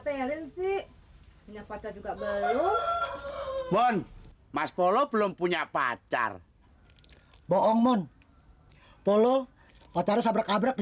pelin sih punya pada juga baru mon mas polo belum punya pacar bohong mon polo otak sabrak abrak di